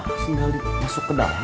langsung dali masuk ke dalam